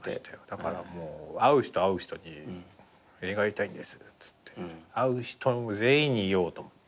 だからもう会う人会う人に映画やりたいんですっつって会う人全員に言おうと思って。